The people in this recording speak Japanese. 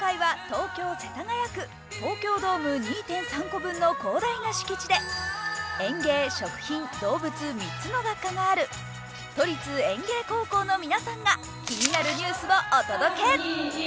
東京ドーム２．３倍の広大な敷地で園芸、食品、動物、３つの学科がある都立園芸高校の皆さんが気になるニュースをお届け。